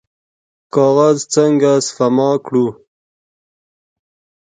کاغذ څنګه سپما کړو؟